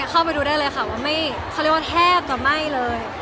เข้าไปดูได้เลยค่ะว่าเขาเรียกว่าแทบจะไหม้เลย